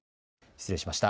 失礼しました。